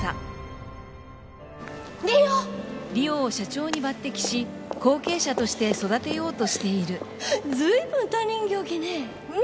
梨央を社長に抜てきし後継者として育てようとしている随分他人行儀ねうん？